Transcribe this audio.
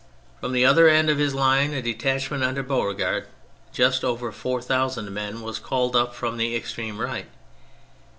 From the other end of his line, a detachment under Beauregard, just over four thousand men, was called up from the extreme right.